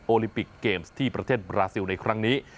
ลิมปิกเกมส์ที่ประเทศบราซิลในครั้งนี้